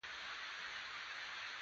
بیا بریالی هلمند له ملګرو سره راغی.